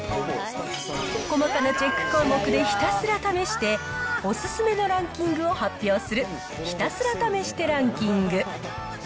細かなチェック項目でひたすら試して、お勧めのランキングを発表する、ひたすら試してランキング。